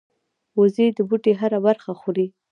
وزې د بوټي هره برخه خوري